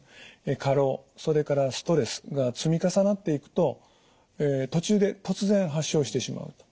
過労それからストレスが積み重なっていくと途中で突然発症してしまうと。